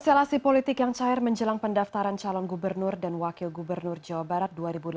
selasi politik yang cair menjelang pendaftaran calon gubernur dan wakil gubernur jawa barat dua ribu delapan belas dua ribu dua puluh tiga